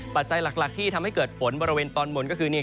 ปัจจัยหลักที่ทำให้เกิดฝนบริเวณตอนบนก็คือ